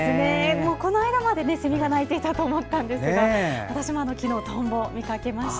この間までセミが鳴いていたと思ったんですが私も昨日トンボを見かけました。